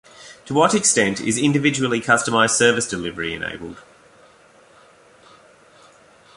To what extent is individually customized service delivery enabled?